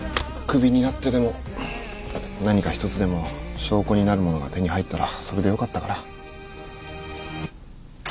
クビになってでも何か１つでも証拠になるものが手に入ったらそれでよかったから。